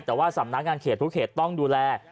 แต่ว่าสำนักงานเขตทุกเขตต้องดูแล